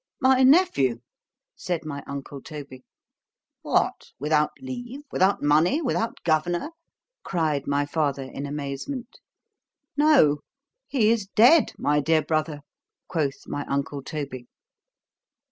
——My nephew, said my uncle Toby.——What—without leave—without money—without governor? cried my father in amazement. No:——he is dead, my dear brother, quoth my uncle _Toby.